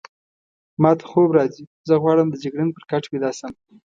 ما ته خوب راځي، زه غواړم د جګړن پر کټ ویده شم.